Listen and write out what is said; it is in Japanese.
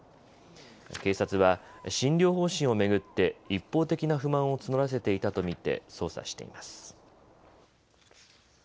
警察は、診療方針を巡って一方的な不満を募らせていたと見て捜査しています。